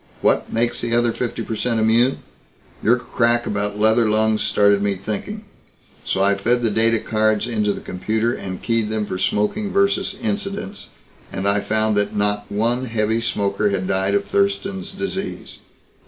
What makes the other fifty per cent immune? Your crack about leather lungs started me thinking so I fed the data cards into the computer and keyed them for smoking versus incidence. And I found that not one heavy smoker had died of Thurston's Disease.